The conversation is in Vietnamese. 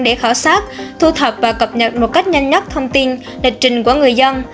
để khảo sát thu thập và cập nhật một cách nhanh nhất thông tin lịch trình của người dân